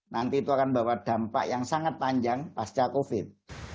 nanti itu akan bawa dampak yang sangat panjang pasca covid